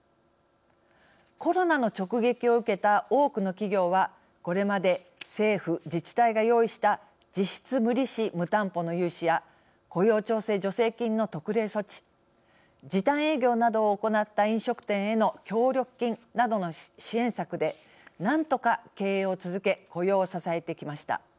コロナの直撃を受けた多くの企業はこれまで政府・自治体が用意した実質無利子・無担保の融資や雇用調整助成金の特例措置時短営業などを行った飲食店への協力金などの支援策でなんとか経営を続け雇用を支えてきました。